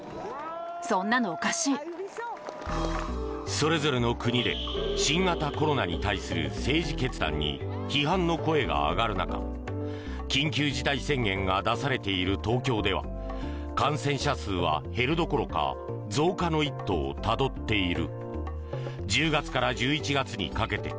それぞれの国で新型コロナに対する政治決断に批判の声が上がる中緊急事態宣言が出されている東京では感染者数は減るどころか増加の一途をたどっている。